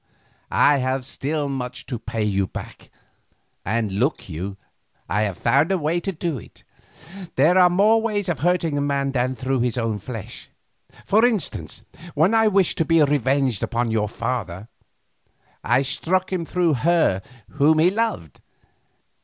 I have still much to pay you back, and look you, I have found a way to do it. There are more ways of hurting a man than through his own flesh—for instance, when I wished to be revenged upon your father, I struck him through her whom he loved.